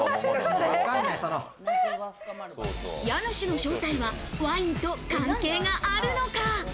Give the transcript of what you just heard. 家主の正体は、ワインと関係があるのか？